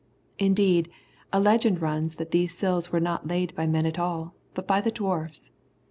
Indeed, a legend runs that these sills were not laid by men at all, but by the Dwarfs.